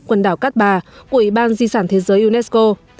quần đảo cát bà của ủy ban di sản thế giới unesco